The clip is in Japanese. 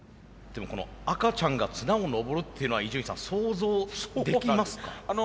でもこの赤ちゃんが綱を登るっていうのは伊集院さん想像できますか？